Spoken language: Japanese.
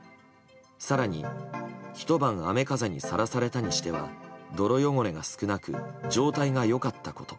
更にひと晩、雨風にさらされたにしては泥汚れが少なく状態が良かったこと。